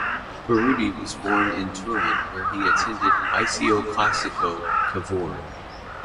Berruti was born in Turin where he attended Liceo Classico "Cavour".